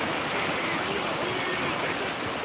咸陽本営より伝達！！